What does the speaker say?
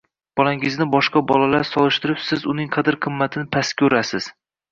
Bolangizni boshqa bolalar solishtirib siz uning qadr-qimmatini pastga urasiz.